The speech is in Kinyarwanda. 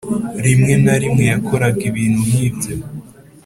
(rimwe na rimwe yakoraga ibintu nk'ibyo)